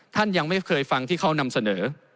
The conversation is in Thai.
ท่านยังไม่เคยฟังที่เขานำเสนอ